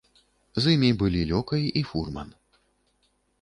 З імі былі лёкай і фурман.